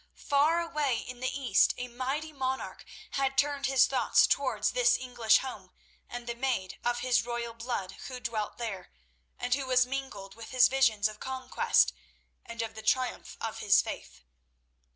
Far away in the East a mighty monarch had turned his thoughts towards this English home and the maid of his royal blood who dwelt there, and who was mingled with his visions of conquest and of the triumph of his faith.